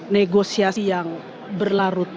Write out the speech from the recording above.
negosiasi yang berlarut